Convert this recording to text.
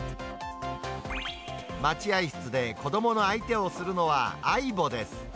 待合室で子どもの相手をするのはａｉｂｏです。